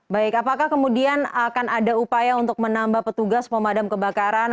baik apakah kemudian akan ada upaya untuk menambah petugas pemadam kebakaran